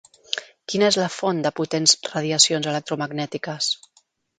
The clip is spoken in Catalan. Quina és la font de potents radiacions electromagnètiques?